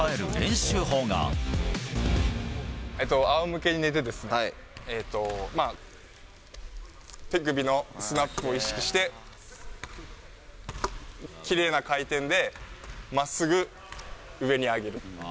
あおむけに寝てですね、手首のスナップを意識して、きれいな回転でまっすぐ上に上げる。